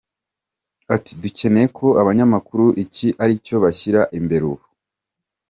Ati “Dukeneye ko abanyamakuru iki aricyo bashyira imbere ubu.